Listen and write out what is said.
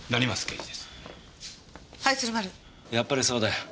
やっぱりそうだよ。